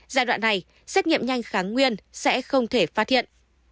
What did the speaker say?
giai đoạn này xét nghiệm nhanh kháng nguyên sẽ không thể phát hiện